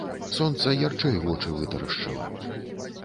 Сонца ярчэй вочы вытарашчыла.